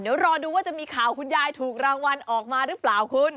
เดี๋ยวรอดูว่าจะมีข่าวคุณยายถูกรางวัลออกมาหรือเปล่าคุณ